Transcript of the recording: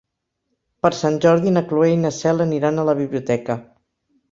Per Sant Jordi na Cloè i na Cel aniran a la biblioteca.